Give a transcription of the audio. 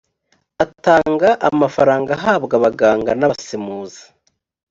atanga amafaranga ahabwa abaganga n’abasemuzi